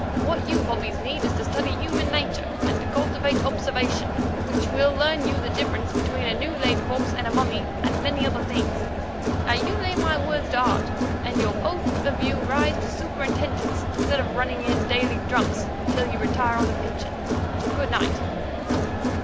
What you bobbies need is to study human nature and cultivate observation, which will learn you the difference between a new laid corpse and a mummy, and many other things. Now you lay my words to heart, and you'll both of you rise to superintendents, instead of running in daily 'drunks' until you retire on a pension. Good night."